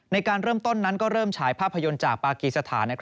ในการเริ่มต้นนั้นก็เริ่มฉายภาพยนตร์จากปากีสถาน